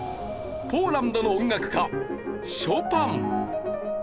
ポーランドの音楽家ショパン。